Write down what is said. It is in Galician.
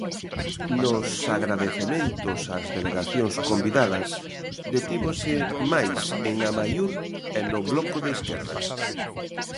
Nos agradecementos ás delegacións convidadas detívose máis en Amaiur e no Bloco de Esquerdas.